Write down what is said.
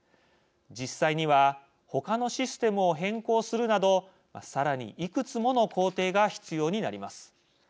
実際には他のシステムを変更するなどさらに、いくつもの工程が必要になります。